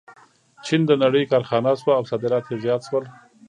چین د نړۍ کارخانه شوه او صادرات یې زیات شول.